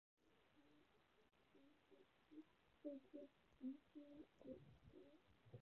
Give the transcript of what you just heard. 长龙骨黄耆是豆科黄芪属的植物。